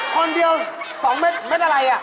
คนเดียวสองเม็ดเม็ดอะไร